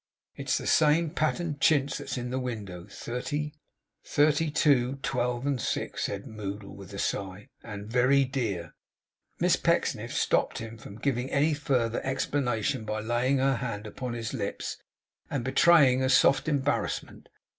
'If it's the same patterned chintz as that in the window; thirty two, twelve, six,' said Moddle, with a sigh. 'And very dear.' Miss Pecksniff stopped him from giving any further explanation by laying her hand upon his lips, and betraying a soft embarrassment.